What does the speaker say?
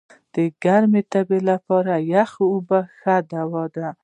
د ګرمي تبي لپاره یخي اوبه ښه دوا ده.